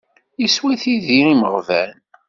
Yeswa tidi n imeɣban.